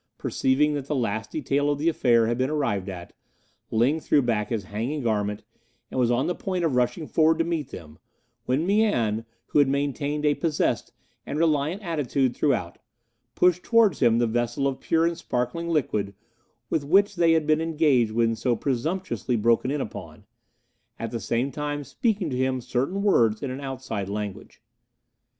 Perceiving that the last detail of the affair had been arrived at, Ling threw back his hanging garment, and was on the point of rushing forward to meet them, when Mian, who had maintained a possessed and reliant attitude throughout, pushed towards him the vessel of pure and sparkling liquid with which they had been engaged when so presumptuously broken in upon, at the same time speaking to him certain words in an outside language.